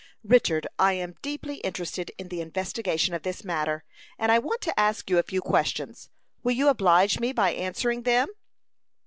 "Richard, I am deeply interested in the investigation of this matter, and I want to ask you a few questions. Will you oblige me by answering them?"